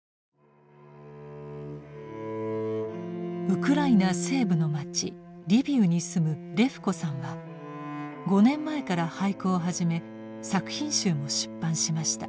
ウクライナ西部の町リビウに住むレフコさんは５年前から俳句を始め作品集も出版しました。